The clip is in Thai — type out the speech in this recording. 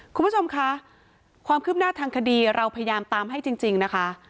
คุณผู้ชมคะความคืบหน้าทางคดีเราพยายามตามให้จริงนะคะ